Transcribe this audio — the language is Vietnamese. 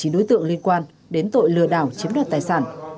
một mươi chín đối tượng liên quan đến tội lừa đảo chiếm đoạt tài sản